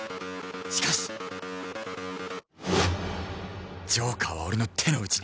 しかしジョーカーは俺の手の内にある